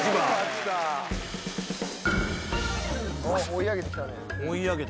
追い上げてきたね。